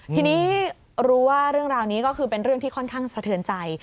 ทีนี้รู้ว่าเรื่องราวนี้ก็คือเป็นเรื่องที่ค่อนข้างสะเทือนใจ